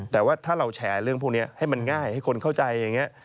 แต่ว่าถ้าเราแชร์เรื่องพวกนี้ให้มันง่ายให้คนเข้าใจอย่างนี้